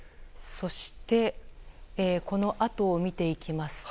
そしてこのあとを見ていきますと。